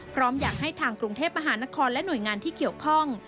พร้อมอยากให้ทางกรุงเทพมหานครและหน่วยงานที่เกี่ยวข้อง